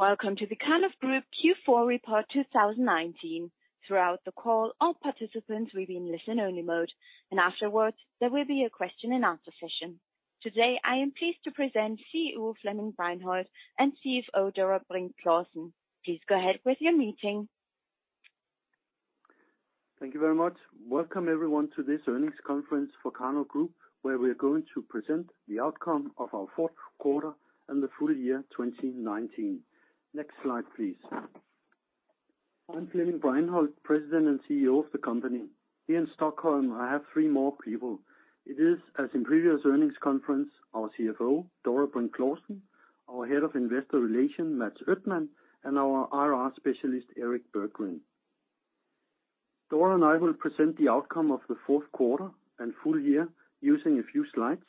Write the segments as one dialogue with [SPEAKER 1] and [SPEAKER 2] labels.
[SPEAKER 1] Welcome to the Karnov Group Q4 report 2019. Throughout the call, all participants will be in listen-only mode, and afterwards, there will be a question and answer session. Today, I am pleased to present CEO Flemming Breinholt and CFO Dora Brink Clausen. Please go ahead with your meeting.
[SPEAKER 2] Thank you very much. Welcome everyone to this earnings conference for Karnov Group, where we are going to present the outcome of our fourth quarter and the full year 2019. Next slide, please. I'm Flemming Breinholt, President and CEO of the company. Here in Stockholm, I have three more people. It is, as in previous earnings conference, our CFO, Dora Brink Clausen, our Head of Investor Relations, Mats Ödman, and our IR Specialist, Erik Berggren. Dora and I will present the outcome of the fourth quarter and full year using a few slides,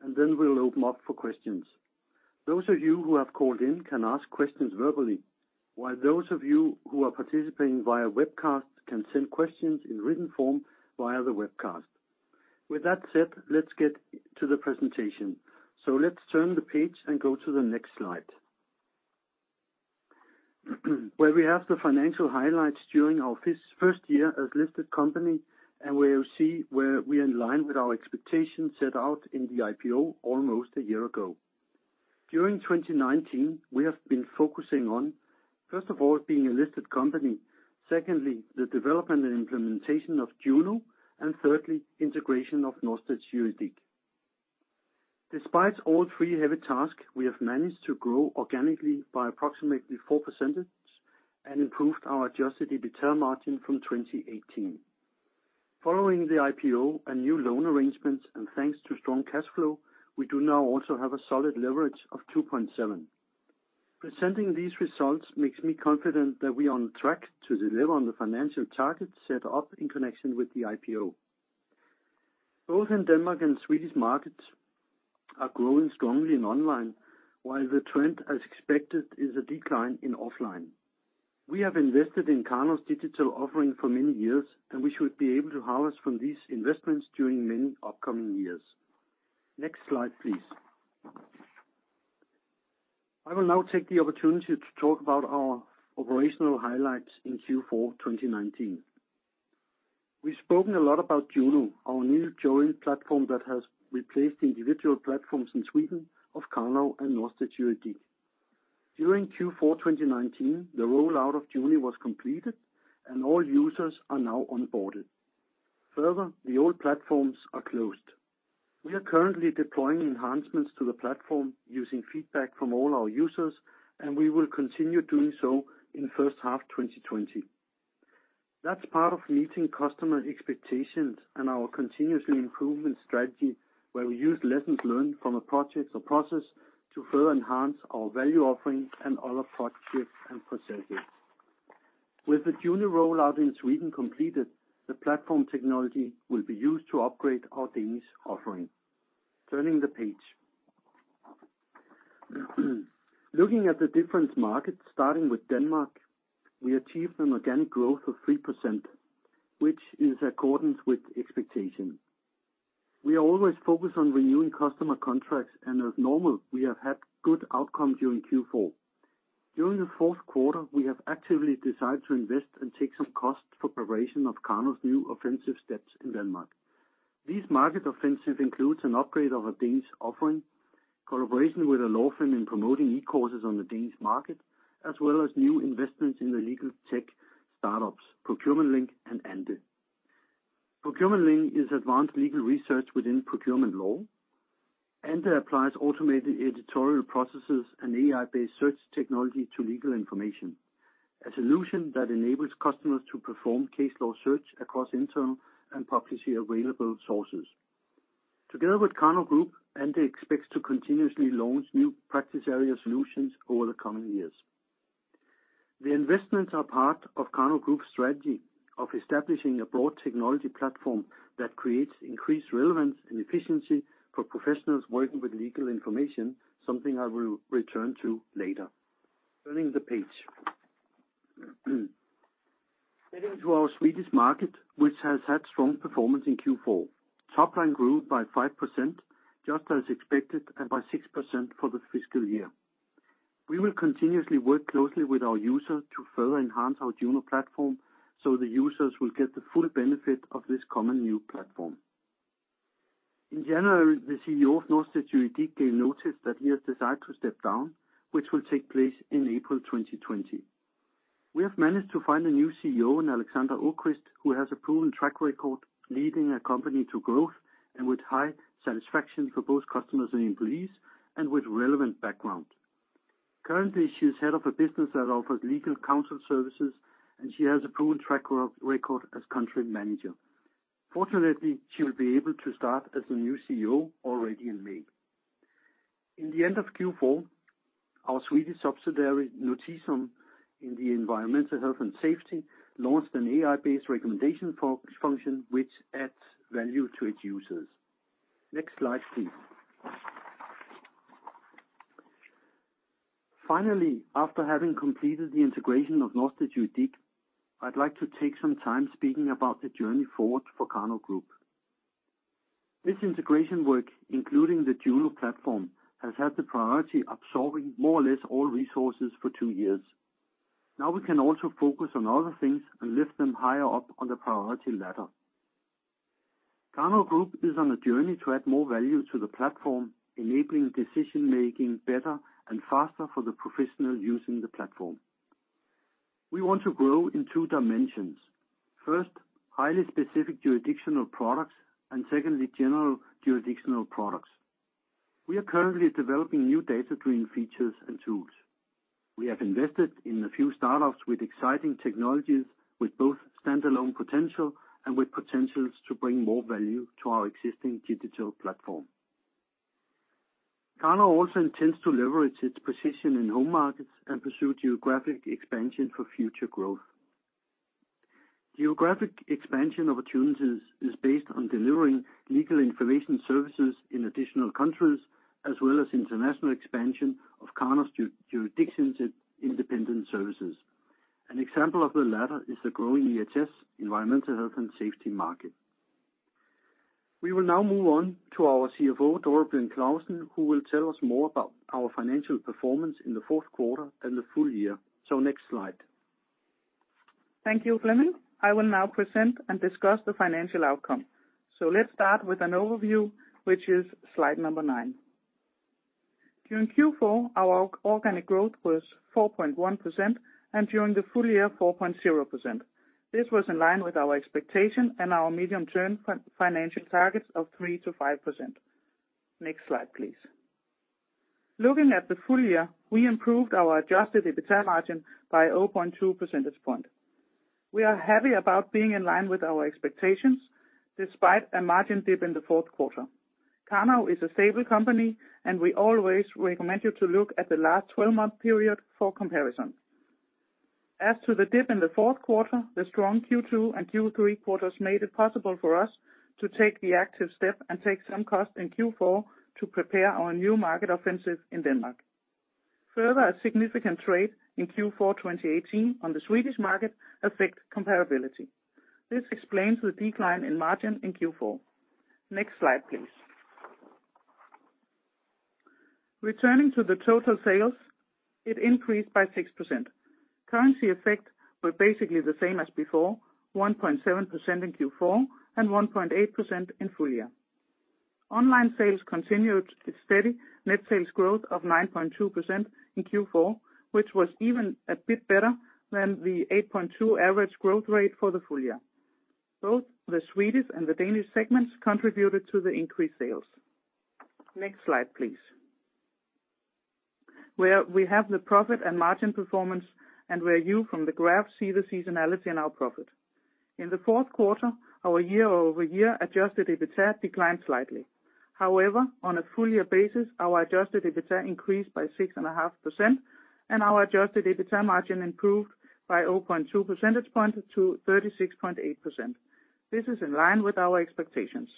[SPEAKER 2] and then we'll open up for questions. Those of you who have called in can ask questions verbally, while those of you who are participating via webcast can send questions in written form via the webcast. With that said, let's get to the presentation. Let's turn the page and go to the next slide. Where we have the financial highlights during our first year as listed company, and where you see where we align with our expectations set out in the IPO almost a year ago. During 2019, we have been focusing on, first of all, being a listed company, secondly, the development and implementation of JUNO, and thirdly, integration of Norstedts Juridik. Despite all three heavy tasks, we have managed to grow organically by approximately 4% and improved our adjusted EBITDA margin from 2018. Following the IPO and new loan arrangements and thanks to strong cash flow, we do now also have a solid leverage of 2.7x. Presenting these results makes me confident that we are on track to deliver on the financial targets set up in connection with the IPO. Both in Danish and Swedish markets are growing strongly in online, while the trend, as expected, is a decline in offline. We have invested in Karnov's digital offering for many years, and we should be able to harvest from these investments during many upcoming years. Next slide, please. I will now take the opportunity to talk about our operational highlights in Q4 2019. We've spoken a lot about JUNO, our new joint platform that has replaced individual platforms in Sweden of Karnov and Norstedts Juridik. During Q4 2019, the rollout of JUNO was completed, and all users are now onboarded. Further, the old platforms are closed. We are currently deploying enhancements to the platform using feedback from all our users, and we will continue doing so in first half 2020. That's part of meeting customer expectations and our continuous improvement strategy where we use lessons learned from a project or process to further enhance our value offering and other products and processes. With the JUNO rollout in Sweden completed, the platform technology will be used to upgrade our Danish offering. Turning the page. Looking at the different markets, starting with Denmark, we achieved an organic growth of 3%, which is accordance with expectation. We are always focused on renewing customer contracts. As normal, we have had good outcomes during Q4. During the fourth quarter, we have actively decided to invest and take some costs for preparation of Karnov's new offensive steps in Denmark. These market offensive includes an upgrade of our Danish offering, collaboration with a law firm in promoting e-courses on the Danish market, as well as new investments in the legal tech startups, ProcurementLink and Ende. ProcurementLink is advanced legal research within procurement law. Ende applies automated editorial processes and AI-based search technology to legal information, a solution that enables customers to perform case law search across internal and publicly available sources. Together with Karnov Group, Ende expects to continuously launch new practice area solutions over the coming years. The investments are part of Karnov Group's strategy of establishing a broad technology platform that creates increased relevance and efficiency for professionals working with legal information, something I will return to later. Turning the page. Getting to our Swedish market, which has had strong performance in Q4. Topline grew by 5%, just as expected, and by 6% for the fiscal year. We will continuously work closely with our users to further enhance our JUNO platform so the users will get the full benefit of this common new platform. In January, the CEO of Norstedts Juridik gave notice that he has decided to step down, which will take place in April 2020. We have managed to find a new CEO in Alexandra Åquist, who has a proven track record leading a company to growth and with high satisfaction for both customers and employees and with relevant background. Currently, she's head of a business that offers legal counsel services, and she has a proven track record as country manager. Fortunately, she will be able to start as the new CEO already in May. In the end of Q4, our Swedish subsidiary, Notisum, in the environmental health and safety, launched an AI-based recommendation function which adds value to its users. Next slide, please. Finally, after having completed the integration of Norstedts Juridik, I'd like to take some time speaking about the journey forward for Karnov Group. This integration work, including the JUNO platform, has had the priority absorbing more or less all resources for two years. Now we can also focus on other things and lift them higher up on the priority ladder. Karnov Group is on a journey to add more value to the platform, enabling decision-making better and faster for the professional using the platform. We want to grow in two dimensions. First, highly specific jurisdictional products, and secondly, general jurisdictional products. We are currently developing new data driven features and tools. We have invested in a few startups with exciting technologies, with both standalone potential and with potentials to bring more value to our existing digital platform. Karnov also intends to leverage its position in home markets and pursue geographic expansion for future growth. Geographic expansion opportunities is based on delivering legal information services in additional countries, as well as international expansion of Karnov's jurisdictions independent services. An example of the latter is the growing EHS, Environmental, Health, and Safety market. We will now move on to our CFO, Dora Brink Clausen, who will tell us more about our financial performance in the fourth quarter and the full year. Next slide.
[SPEAKER 3] Thank you, Flemming Breinholt. I will now present and discuss the financial outcome. Let's start with an overview, which is slide nine. During Q4, our organic growth was 4.1%, and during the full year, 4.0%. This was in line with our expectation and our medium-term financial targets of 3%-5%. Next slide, please. Looking at the full year, we improved our adjusted EBITDA margin by 0.2 percentage point. We are happy about being in line with our expectations despite a margin dip in the fourth quarter. Karnov is a stable company, and we always recommend you to look at the last 12-month period for comparison. As to the dip in the fourth quarter, the strong Q2 and Q3 quarters made it possible for us to take the active step and take some cost in Q4 to prepare our new market offensive in Denmark. Further, a significant trade in Q4 2018 on the Swedish market affect comparability. This explains the decline in margin in Q4. Next slide, please. Returning to the total sales, it increased by 6%. Currency effect were basically the same as before, 1.7% in Q4 and 1.8% in full year. Online sales continued its steady net sales growth of 9.2% in Q4, which was even a bit better than the 8.2% average growth rate for the full year. Both the Swedish and the Danish segments contributed to the increased sales. Next slide, please. Where we have the profit and margin performance and where you, from the graph, see the seasonality in our profit. In the fourth quarter, our year-over-year adjusted EBITDA declined slightly. However, on a full year basis, our adjusted EBITDA increased by 6.5%, and our adjusted EBITDA margin improved by 0.2 percentage points to 36.8%. This is in line with our expectations.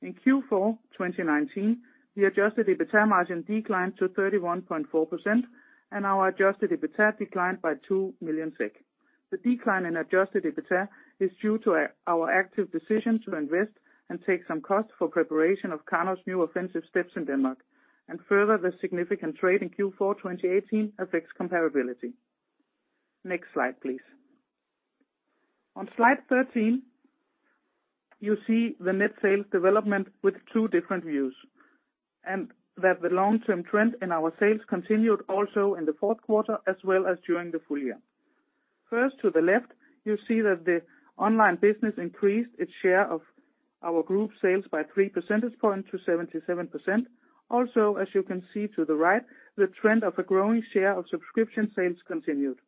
[SPEAKER 3] In Q4 2019, the adjusted EBITDA margin declined to 31.4%, and our adjusted EBITDA declined by 2 million SEK. The decline in adjusted EBITDA is due to our active decision to invest and take some cost for preparation of Karnov's new offensive steps in Denmark. Further, the significant trade in Q4 2018 affects comparability. Next slide, please. On slide 13, you see the net sales development with two different views, and that the long-term trend in our sales continued also in the fourth quarter as well as during the full year. First, to the left, you see that the online business increased its share of our group sales by 3 percentage points to 77%. Also, as you can see to the right, the trend of a growing share of subscription sales continued.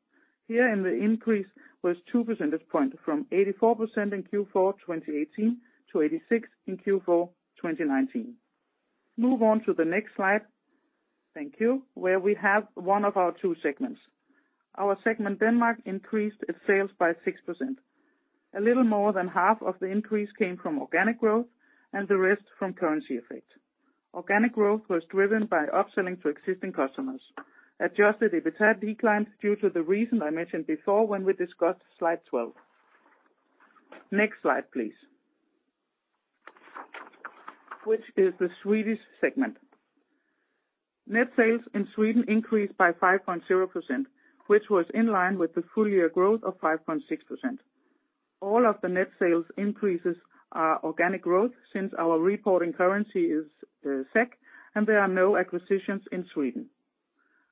[SPEAKER 3] Here, in the increase was 2 percentage point from 84% in Q4 2018 to 86% in Q4 2019. Move on to the next slide. Thank you, where we have one of our two segments. Our segment, Denmark, increased its sales by 6%. A little more than half of the increase came from organic growth, and the rest from currency effect. Organic growth was driven by upselling to existing customers. Adjusted EBITDA declines due to the reason I mentioned before when we discussed slide 12. Next slide, please, which is the Swedish segment. Net sales in Sweden increased by 5.0%, which was in line with the full year growth of 5.6%. All of the net sales increases are organic growth since our reporting currency is SEK, and there are no acquisitions in Sweden.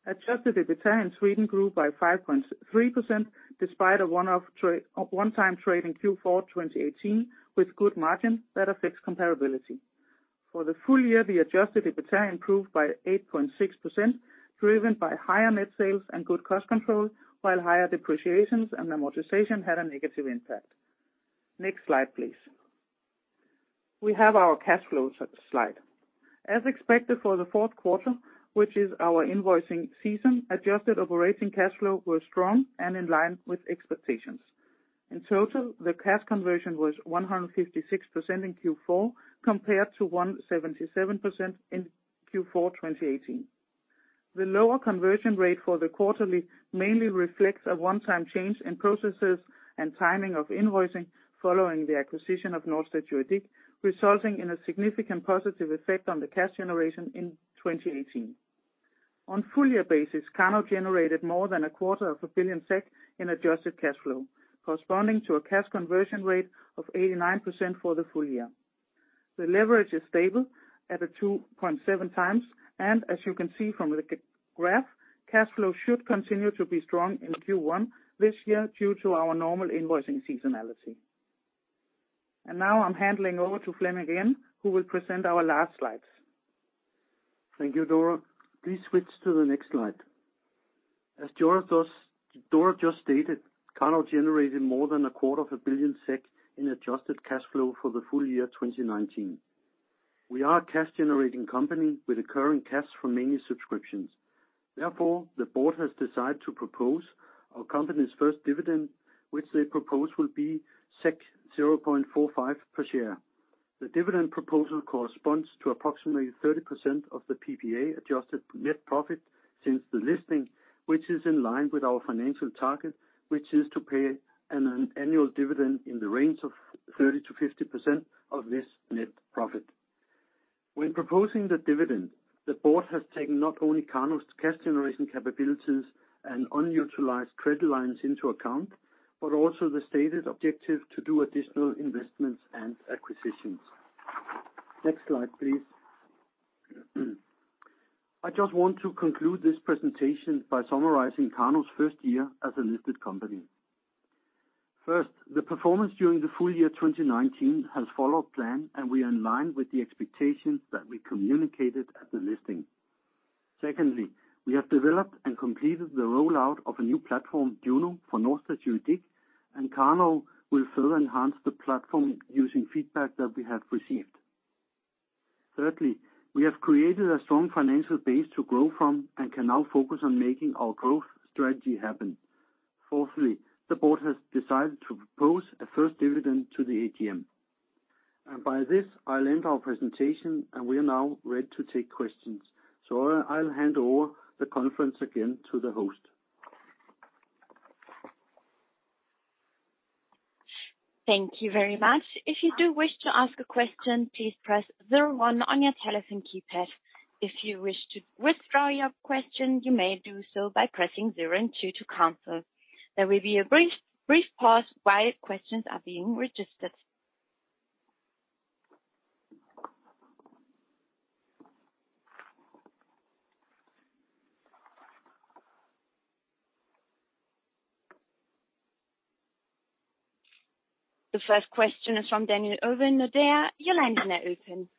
[SPEAKER 3] Adjusted EBITDA in Sweden grew by 5.3%, despite a one-time trade in Q4 2018 with good margin that affects comparability. For the full year, the adjusted EBITDA improved by 8.6%, driven by higher net sales and good cost control, while higher depreciations and amortization had a negative impact. Next slide, please. We have our cash flow slide. As expected for the fourth quarter, which is our invoicing season, adjusted operating cash flow was strong and in line with expectations. In total, the cash conversion was 156% in Q4 compared to 177% in Q4 2018. The lower conversion rate for the quarterly mainly reflects a one-time change in processes and timing of invoicing following the acquisition of Norstedts Juridik, resulting in a significant positive effect on the cash generation in 2018. On a full year basis, Karnov generated more than a quarter of a billion SEK in adjusted cash flow, corresponding to a cash conversion rate of 89% for the full year. As you can see from the graph, cash flow should continue to be strong in Q1 this year due to our normal invoicing seasonality. Now I'm handing over to Flemming again, who will present our last slides.
[SPEAKER 2] Thank you, Dora. Please switch to the next slide. As Dora just stated, Karnov generated more than 250 million SEK in adjusted cash flow for the full year 2019. We are a cash-generating company with recurring cash from many subscriptions. The board has decided to propose our company's first dividend, which they propose will be 0.45 per share. The dividend proposal corresponds to approximately 30% of the PPA adjusted net profit since the listing, which is in line with our financial target, which is to pay an annual dividend in the range of 30%-50% of this net profit. When proposing the dividend, the board has taken not only Karnov's cash generation capabilities and unutilized credit lines into account, but also the stated objective to do additional investments and acquisitions. Next slide, please. I just want to conclude this presentation by summarizing Karnov's first year as a listed company. First, the performance during the full year 2019 has followed plan, and we are in line with the expectations that we communicated at the listing. Secondly, we have developed and completed the rollout of a new platform, JUNO, for Norstedts Juridik, and Karnov will further enhance the platform using feedback that we have received. Thirdly, we have created a strong financial base to grow from and can now focus on making our growth strategy happen. Fourthly, the board has decided to propose a first dividend to the AGM. By this, I'll end our presentation and we are now ready to take questions. I'll hand over the conference again to the host.
[SPEAKER 1] Thank you very much. If you do wish to ask a question, please press zero one on your telephone keypad. If you wish to withdraw your question, you may do so by pressing zero two to cancel. There will be a brief pause while questions are being registered. The first question is from Daniel Ovin at Nordea. Your line is now open.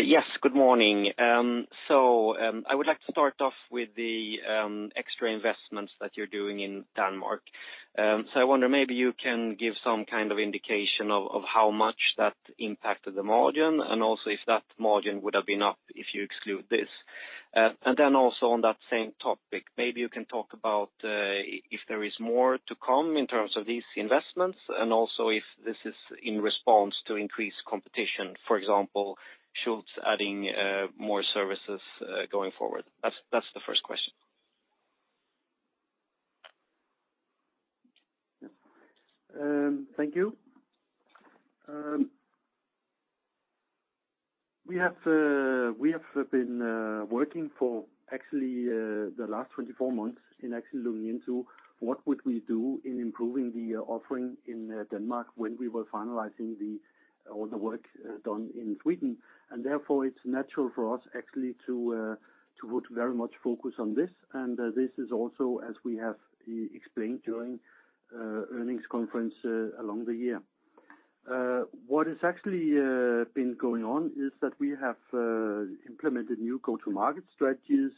[SPEAKER 4] Yes, good morning. I would like to start off with the extra investments that you're doing in Denmark. I wonder maybe you can give some kind of indication of how much that impacted the margin, and also if that margin would have been up if you exclude this. Also on that same topic, maybe you can talk about if there is more to come in terms of these investments, and also if this is in response to increased competition. For example, Schultz adding more services going forward. That's the first question.
[SPEAKER 2] Thank you. We have been working for, actually, the last 24 months in actually looking into what would we do in improving the offering in Denmark when we were finalizing all the work done in Sweden. Therefore, it's natural for us actually to put very much focus on this. This is also as we have explained during earnings conference along the year. What has actually been going on is that we have implemented new go-to-market strategies.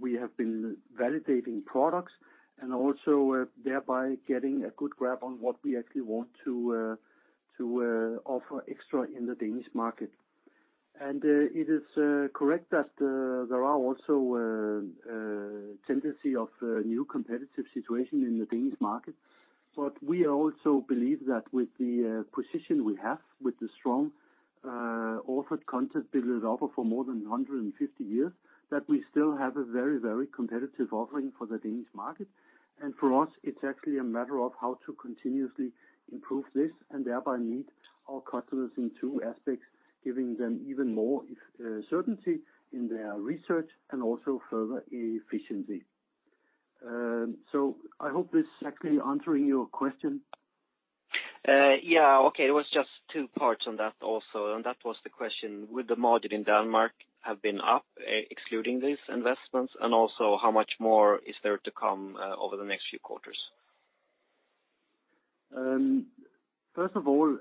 [SPEAKER 2] We have been validating products and also thereby getting a good grab on what we actually want to offer extra in the Danish market. It is correct that there are also a tendency of a new competitive situation in the Danish market. We also believe that with the position we have with the strong offered content build and offer for more than 150 years, that we still have a very competitive offering for the Danish market. For us, it's actually a matter of how to continuously improve this and thereby meet our customers in two aspects, giving them even more certainty in their research and also further efficiency. I hope this is actually answering your question.
[SPEAKER 4] Yeah. Okay. There was just two parts on that also. That was the question, would the margin in Denmark have been up, excluding these investments? Also, how much more is there to come over the next few quarters?
[SPEAKER 2] First of all,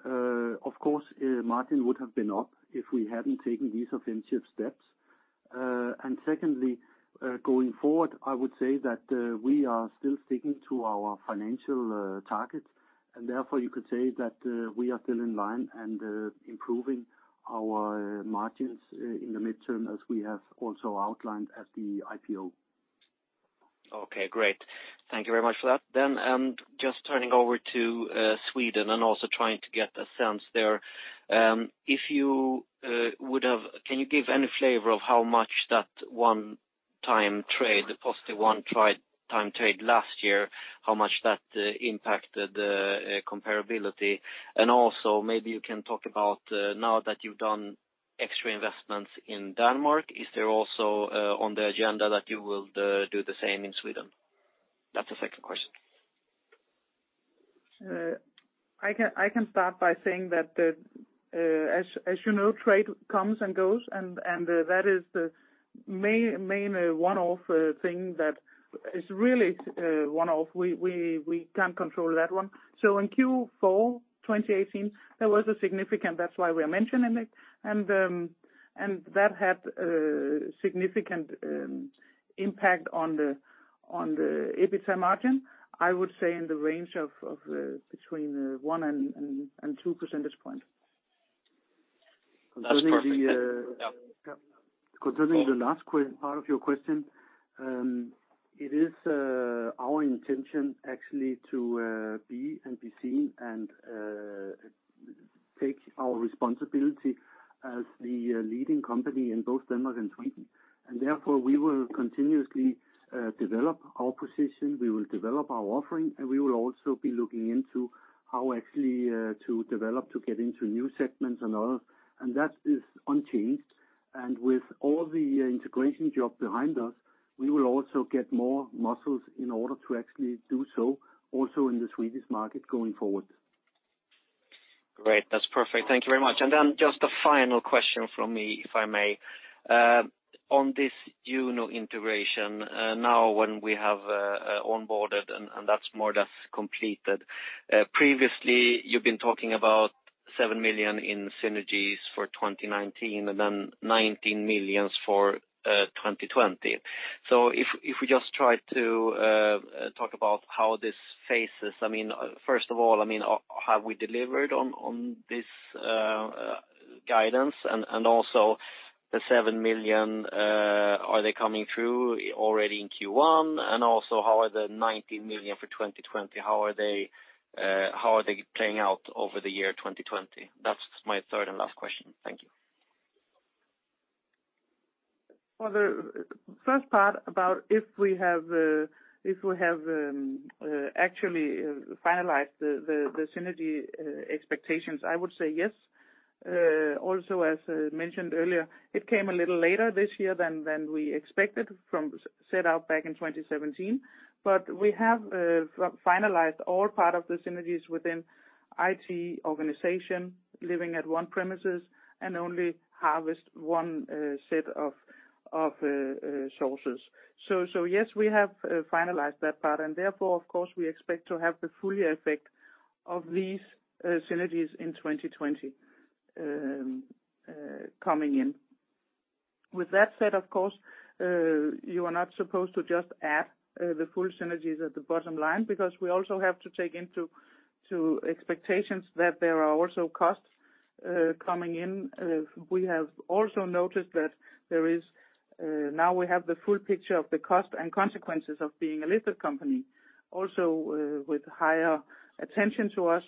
[SPEAKER 2] of course, margin would have been up if we hadn't taken these offensive steps. Secondly, going forward, I would say that we are still sticking to our financial targets, and therefore you could say that we are still in line and improving our margins in the midterm as we have also outlined at the IPO.
[SPEAKER 4] Okay, great. Thank you very much for that. Just turning over to Sweden and also trying to get a sense there. Can you give any flavor of how much that one-time trade, the positive one-time trade last year, how much that impacted the comparability? Maybe you can talk about now that you've done extra investments in Denmark, is there also on the agenda that you will do the same in Sweden? That's the second question.
[SPEAKER 3] I can start by saying that, as you know, trade comes and goes, and that is the main one-off thing that is really one-off. We can't control that one. In Q4 2018, there was a significant, that's why we are mentioning it, and that had a significant impact on the EBITDA margin. I would say in the range of between one and two percentage points.
[SPEAKER 4] That's perfect. Yep.
[SPEAKER 2] Concerning the last part of your question, it is our intention actually to be and be seen and take our responsibility as the leading company in both Denmark and Sweden. Therefore, we will continuously develop our position, we will develop our offering, and we will also be looking into how actually to develop to get into new segments and all. That is unchanged. With all the integration job behind us, we will also get more muscles in order to actually do so, also in the Swedish market going forward.
[SPEAKER 4] Great. That's perfect. Thank you very much. Just a final question from me, if I may. On this JUNO integration, now when we have onboarded, and that's more or less completed. Previously, you've been talking about 7 million in synergies for 2019, 19 million for 2020. If we just try to talk about how this phases. First of all, have we delivered on this guidance? The 7 million, are they coming through already in Q1? How are the 19 million for 2020, how are they playing out over the year 2020? That's my third and last question. Thank you.
[SPEAKER 3] For the first part about if we have actually finalized the synergy expectations, I would say yes. As mentioned earlier, it came a little later this year than we expected from set out back in 2017. We have finalized all part of the synergies within IT organization, living at one premises, and only harvest one set of sources. Yes, we have finalized that part, and therefore, of course, we expect to have the full effect of these synergies in 2020, coming in. With that said, of course, you are not supposed to just add the full synergies at the bottom line, because we also have to take into expectations that there are also costs coming in. We have also noticed that now we have the full picture of the cost and consequences of being a listed company, also with higher attention to us.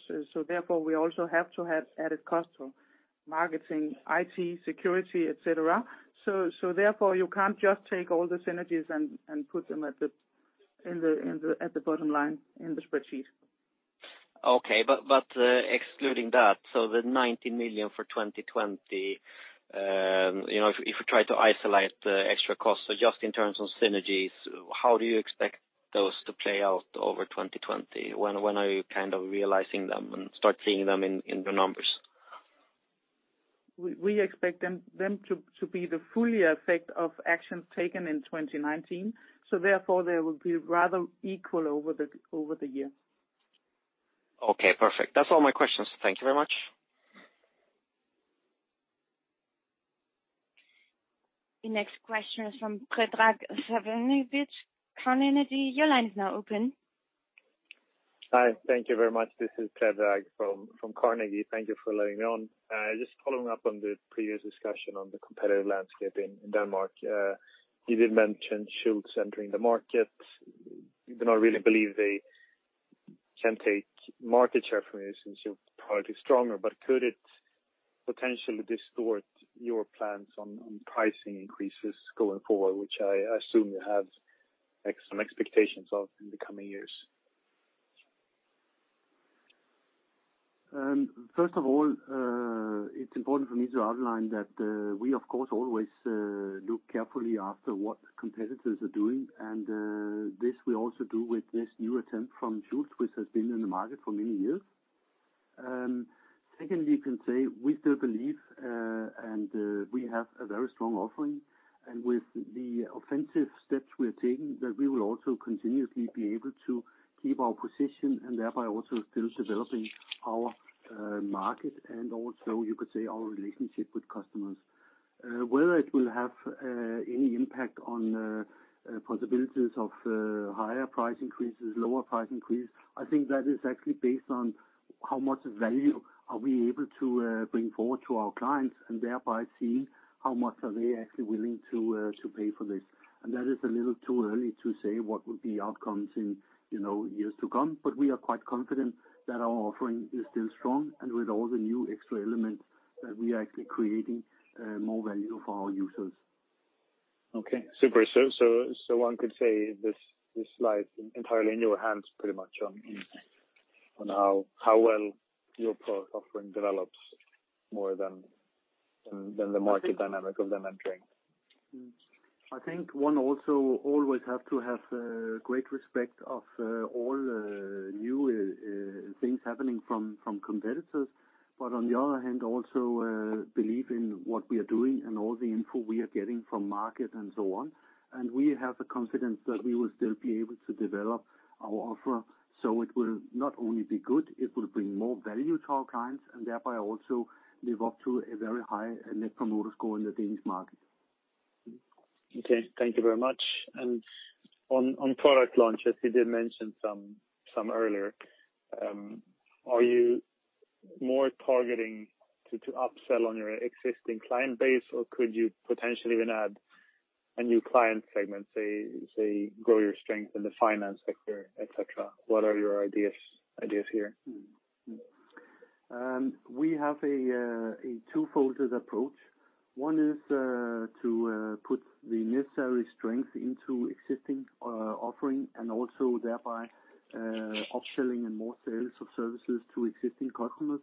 [SPEAKER 3] Therefore, we also have to have added cost to marketing, IT, security, et cetera. Therefore, you can't just take all the synergies and put them at the bottom line in the spreadsheet.
[SPEAKER 4] Okay. Excluding that, the 19 million for 2020, if we try to isolate the extra cost. Just in terms of synergies, how do you expect those to play out over 2020? When are you realizing them and start seeing them in the numbers?
[SPEAKER 3] We expect them to be the full effect of actions taken in 2019. Therefore, they will be rather equal over the year.
[SPEAKER 4] Okay, perfect. That's all my questions. Thank you very much.
[SPEAKER 1] The next question is from Predrag Savinovic, Carnegie. Your line is now open.
[SPEAKER 5] Hi. Thank you very much. This is Predrag from Carnegie. Thank you for letting me on. Just following up on the previous discussion on the competitive landscape in Denmark. You did mention Schultz entering the market. You do not really believe they can take market share from you since your product is stronger. Could it potentially distort your plans on pricing increases going forward, which I assume you have some expectations of in the coming years?
[SPEAKER 2] First of all, it's important for me to outline that we, of course, always look carefully after what competitors are doing, and this we also do with this new attempt from Schultz, which has been in the market for many years. Secondly, we can say we still believe, and we have a very strong offering, and with the offensive steps we are taking, that we will also continuously be able to keep our position and thereby also still developing our market and also you could say our relationship with customers. Whether it will have any impact on possibilities of higher price increases, lower price increase, I think that is actually based on how much value are we able to bring forward to our clients and thereby seeing how much are they actually willing to pay for this. That is a little too early to say what will be outcomes in years to come, but we are quite confident that our offering is still strong and with all the new extra elements that we are actually creating more value for our users.
[SPEAKER 5] Okay, super. One could say this slide is entirely in your hands pretty much on how well your product offering develops more than the market dynamic of them entering.
[SPEAKER 2] I think one also always have to have great respect of all new things happening from competitors, but on the other hand, also believe in what we are doing and all the info we are getting from market and so on. We have the confidence that we will still be able to develop our offer. It will not only be good, it will bring more value to our clients and thereby also live up to a very high Net Promoter Score in the Danish market.
[SPEAKER 5] Okay. Thank you very much. On product launch, as you did mention some earlier, are you more targeting to upsell on your existing client base or could you potentially even add a new client segment, say, grow your strength in the finance sector, et cetera? What are your ideas here?
[SPEAKER 2] We have a twofold approach. One is to put the necessary strength into existing offering and also thereby upselling and more sales of services to existing customers.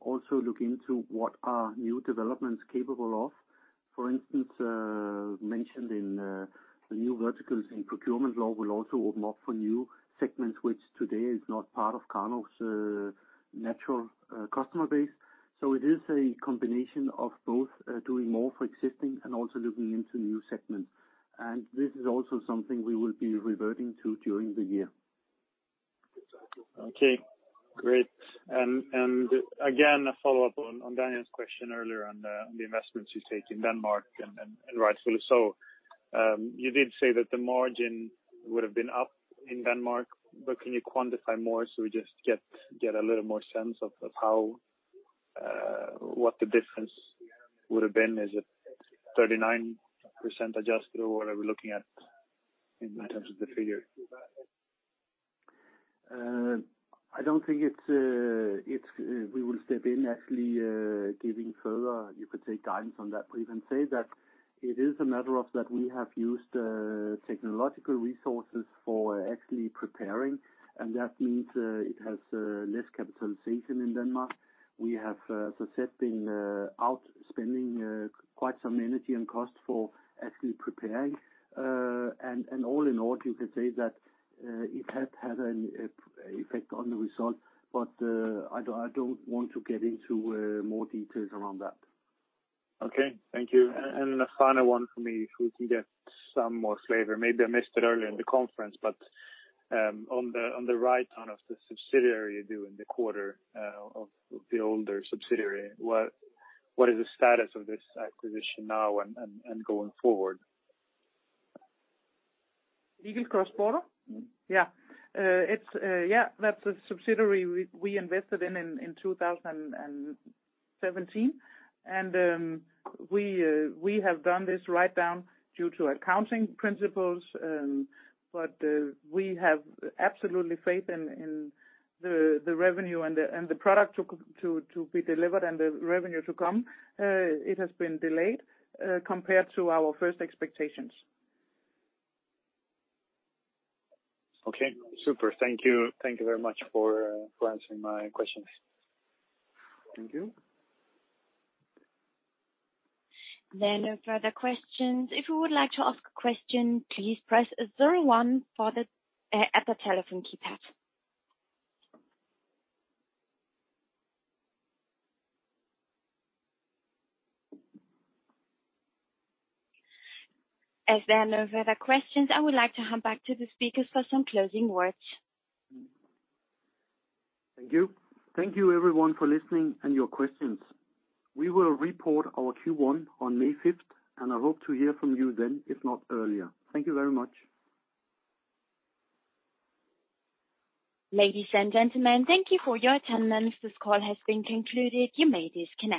[SPEAKER 2] Also look into what are new developments capable of. Mentioned in the new verticals in procurement law will also open up for new segments, which today is not part of Karnov's natural customer base. It is a combination of both doing more for existing and also looking into new segments. This is also something we will be reverting to during the year.
[SPEAKER 5] Okay, great. Again, a follow-up on Daniel's question earlier on the investments you take in Denmark and rightfully so. You did say that the margin would have been up in Denmark, can you quantify more so we just get a little more sense of what the difference would have been? Is it 39% adjusted or what are we looking at in terms of the figure?
[SPEAKER 2] I don't think we will step in actually giving further, you could say guidance on that. Even say that it is a matter of that we have used technological resources for actually preparing, and that means it has less capitalization in Denmark. We have, as I said, been out spending quite some energy and cost for actually preparing. All in all, you could say that it had an effect on the result, but I don't want to get into more details around that.
[SPEAKER 5] Okay, thank you. A final one for me, if we can get some more flavor. Maybe I missed it earlier in the conference, but on the write-down of the subsidiary you do in the quarter of the older subsidiary, what is the status of this acquisition now and going forward?
[SPEAKER 3] Legal Cross Border? Yeah. That's a subsidiary we invested in in 2017. We have done this write-down due to accounting principles, but we have absolute faith in the revenue and the product to be delivered and the revenue to come. It has been delayed compared to our first expectations.
[SPEAKER 5] Okay, super. Thank you. Thank you very much for answering my questions.
[SPEAKER 2] Thank you.
[SPEAKER 1] There are no further questions. If you would like to ask a question, please press zero one at the telephone keypad. As there are no further questions, I would like to hand back to the speakers for some closing words.
[SPEAKER 2] Thank you. Thank you everyone for listening and your questions. We will report our Q1 on May 5th, and I hope to hear from you then, if not earlier. Thank you very much.
[SPEAKER 1] Ladies and gentlemen, thank you for your attendance. This call has been concluded. You may disconnect.